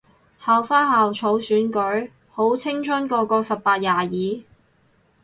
校花校草選舉？好青春個個十八廿二